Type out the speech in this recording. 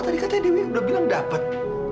tadi katanya dia udah bilang dapat